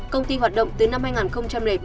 công ty hoạt động từ năm hai nghìn bốn